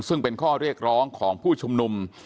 ซึ่งเป็นข้อเรียกร้องของผู้ชุมนุม